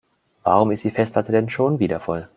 Warum ist die Festplatte denn schon wieder voll?